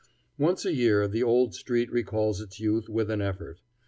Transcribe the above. Once a year the old street recalls its youth with an effort.